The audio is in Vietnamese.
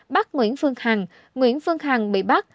bắt nguyễn phương hằng nguyễn phương hằng bị bắt